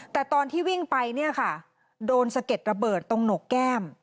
แต่ตอนที่วิ่งไปเนี่ยค่ะโดนสะเก็ดระเบิดตรงหนกแก้ม